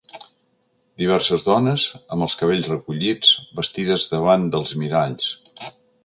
Diverses dones, amb els cabells recollits, vestides, davant dels miralls.